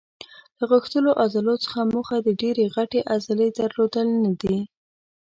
له غښتلو عضلو څخه موخه د ډېرې غټې عضلې درلودل نه دي.